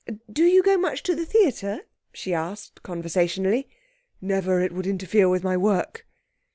'Do you go much to the theatre?' she asked conversationally. 'Never. It would interfere with my work.'